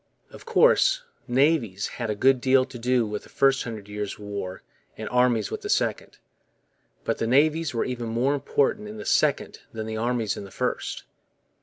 Of course navies had a good deal to do with the first Hundred Years' War and armies with the second. But the navies were even more important in the second than the armies in the first.